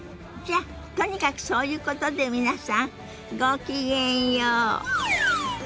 じゃとにかくそういうことで皆さんごきげんよう。